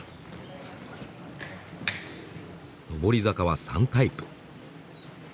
上り坂は３タイプ。